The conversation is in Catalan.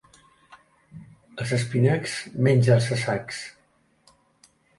Els espinacs, menja'ls a sacs.